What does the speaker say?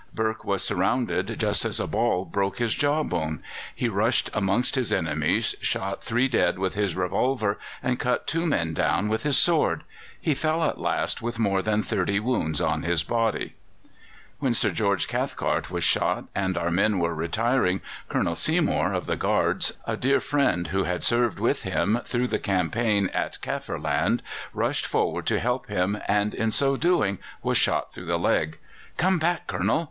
Burke was surrounded just as a ball broke his jawbone. He rushed amongst his enemies, shot three dead with his revolver, and cut two men down with his sword. He fell at last with more than thirty wounds in his body. When Sir George Cathcart was shot and our men were retiring, Colonel Seymour, of the Guards, a dear friend who had served with him through the campaign in Kaffirland, rushed forward to help him, and in so doing was shot through the leg. "Come back, Colonel!"